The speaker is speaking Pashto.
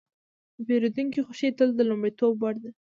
د پیرودونکي خوښي تل د لومړیتوب وړ ده.